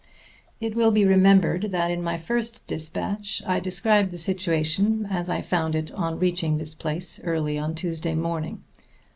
It will be remembered that in my first despatch I described the situation as I found it on reaching this place early on Tuesday morning.